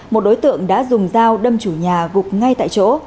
một đối tượng đã dùng dao đâm chủ nhà gục ngay tại chỗ